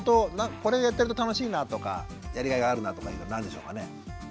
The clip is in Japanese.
これやってると楽しいなとかやりがいがあるなとか今何でしょうかね？